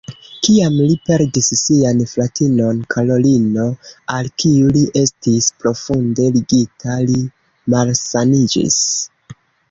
Kiam li perdis sian fratinon Karolino, al kiu li estis profunde ligita, li malsaniĝis.